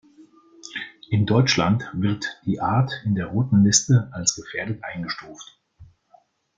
In Deutschland wird die Art in der Roten Liste als gefährdet eingestuft.